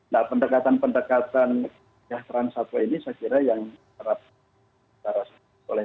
nah pendekatan pendekatan kejahteraan satwa ini saya kira yang terhadap oleh pemeliharaan tumbuhan dan satwa liar eksistensi di luar